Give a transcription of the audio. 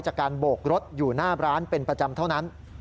จากการโบกรถอยู่หน้าร้านเป็นประจำเท่านั้น